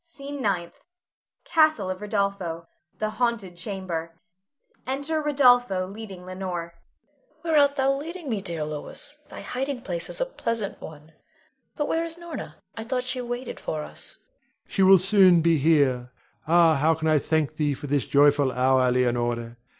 SCENE NINTH. [Castle of Rodolpho. The haunted chamber. Enter Rodolpho leading Leonore.] Leonore. Where art thou leading me, dear Louis? Thy hiding place is a pleasant one, but where is Norna? I thought she waited for us. Rod. She will soon be here. Ah, how can I thank thee for this joyful hour, Leonore.